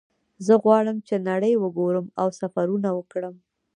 زه غواړم چې نړۍ وګورم او سفرونه وکړم